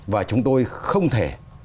và chúng tôi không thể